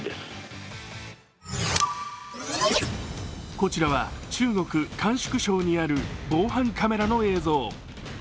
こちらは、中国・甘粛省にある防犯カメラの映像。